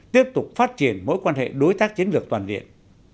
tiếp tục phát triển mối quan hệ đối tác chiến lược toàn diện